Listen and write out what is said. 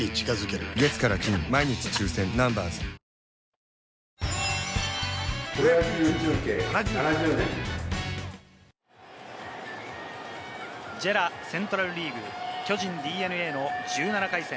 これで３アウトにＪＥＲＡセントラルリーグ巨人対ＤｅＮＡの１７回戦。